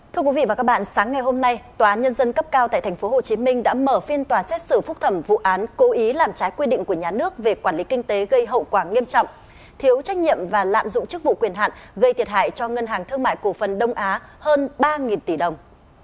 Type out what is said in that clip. thưa quý vị và các bạn sáng ngày hôm nay tòa án nhân dân cấp cao tại tp hcm đã mở phiên tòa xét xử phúc thẩm vụ án cố ý làm trái quy định của nhà nước về quản lý kinh tế gây hậu quả nghiêm trọng thiếu trách nhiệm và lạm dụng chức vụ quyền hạn gây thiệt hại cho ngân hàng thương mại cổ phần đông á hơn ba tỷ đồng